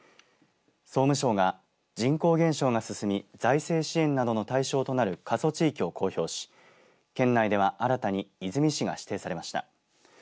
総務省が、人口減少が進み財政支援などの対象となる過疎地域を公表し県内では新たに出水市が指定されました。